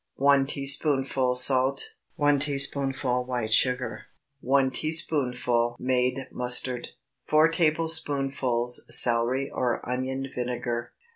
1 teaspoonful salt. 1 teaspoonful white sugar. 1 teaspoonful made mustard. 4 tablespoonfuls celery or onion vinegar.